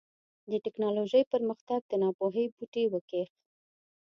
د ټيکنالوژۍ پرمختګ د ناپوهۍ بوټی وکېښ.